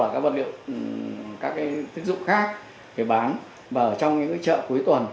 còn liệu các cái thức dụng khác phải bán vào trong những cái chợ cuối tuần